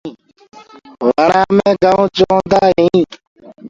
وڻآ مي گنُوچ هوندآ هينٚ۔